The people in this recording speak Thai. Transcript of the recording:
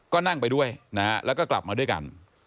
ก็นั่งไปด้วยนะฮะแล้วก็กลับมาด้วยกัน